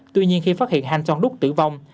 tuy nhiên khi phát hiện han jong duk tử vong